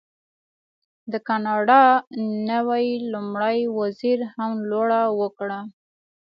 د کاناډا نوي لومړي وزیر هم لوړه وکړه.